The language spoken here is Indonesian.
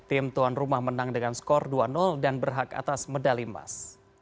tim tuan rumah menang dengan skor dua dan berhak atas medali emas